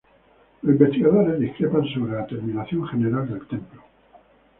Los investigadores discrepan sobre la terminación general del templo.